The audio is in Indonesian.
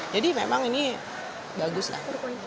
jadi memang ini bagus lah